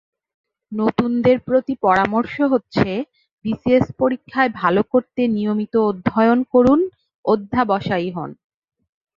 নতুনদের প্রতি পরামর্শ হচ্ছে—বিসিএস পরীক্ষায় ভালো করতে নিয়মিত অধ্যয়ন করুন, অধ্যবসায়ী হোন।